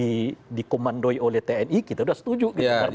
dan kalau dikandoi oleh tni kita sudah setuju